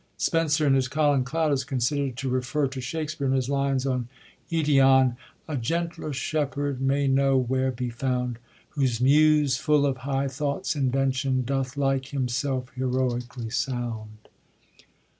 Spenser in his Colin Clout is considerd to refer to Shakspere in his lines on j^twn: *< A gentler shepherd may no where be found : Whose Muse, full of high thoughts inventioUf Doth like himselfe heroically sound."